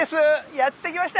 やって来ました。